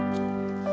gak ada apa apa